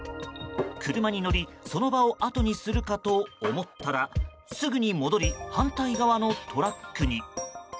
車に乗りその場をあとにするかと思ったらすぐに戻り反対側のトラックに。